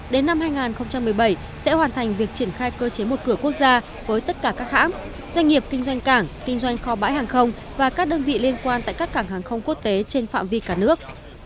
đến năm hai nghìn một mươi bảy sẽ hoàn thành việc triển khai cơ chế một cửa quốc gia với tất cả các hãng doanh nghiệp kinh doanh cảng kinh doanh kho bãi hàng không và các đơn vị liên quan tại các cảng hàng không quốc tế trên phạm vi cả nước